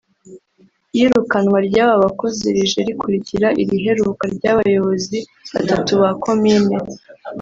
Iyirukanwa ry’aba bakozi rije rikurikira iriheruka ry’abayobozi batatu ba Komine